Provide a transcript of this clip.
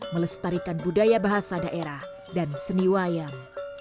melestarikan budaya bahasa daerah dan seni wayang